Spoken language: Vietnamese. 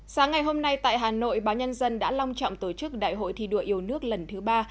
sáng ngày hôm nay tại hà nội báo nhân dân đã long trọng tổ chức đại hội thi đua yêu nước lần thứ ba